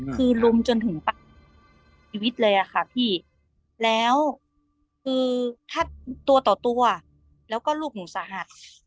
คือลุมจนถึงชีวิตเลยอะค่ะพี่แล้วคือถ้าตัวต่อตัวแล้วก็ลูกหนูสาหัส